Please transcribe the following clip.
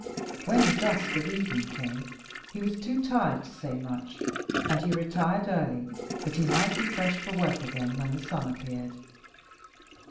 When the dusk of evening came he was too tired to say much, and he retired early that he might be fresh for work again when the sun appeared.